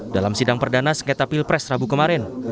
dalam sidang perdana sengketa pilpres rabu kemarin